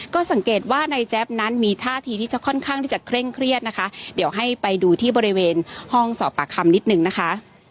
ก็สังเกตว่านายแจ๊บนั้นมีท่าทีที่จะค่อนข้างที่จะเคร่งเครียดนะคะเดี๋ยวให้ไปดูที่บริเวณห้องสอบปากคำนิดนึงนะคะ